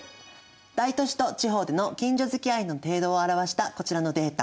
大都市と地方での近所付き合いの程度を表したこちらのデータ